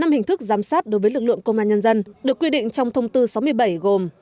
năm hình thức giám sát đối với lực lượng công an nhân dân được quy định trong thông tư sáu mươi bảy gồm